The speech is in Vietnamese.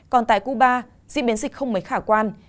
còn tại cuba diễn biến dịch không mấy khả quan